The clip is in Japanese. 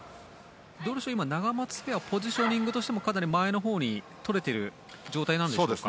ナガマツペアポジショニングとしてもかなり前のほうにとれている状態でしょうか。